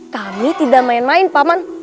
kami tidak main main paman